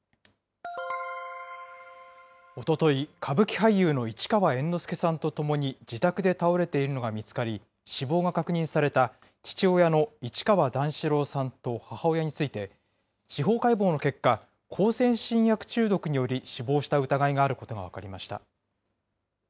おととい、歌舞伎俳優の市川猿之助さんと共に自宅で倒れているのが見つかり、死亡が確認された父親の市川段四郎さんと母親について、司法解剖の結果、向精神薬中毒により死亡した疑いがあることが分かりました。